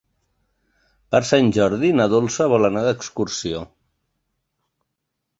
Per Sant Jordi na Dolça vol anar d'excursió.